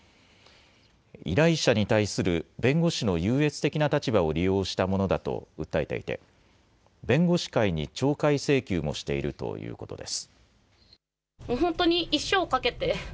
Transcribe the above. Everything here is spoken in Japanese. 依頼者に対する弁護士の優越的な立場を利用したものだと訴えていて、弁護士会に懲戒請求もしているということです。